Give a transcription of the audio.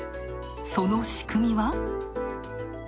その仕組みは？